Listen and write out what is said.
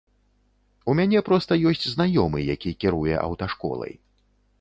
У мяне проста ёсць знаёмы, які кіруе аўташколай.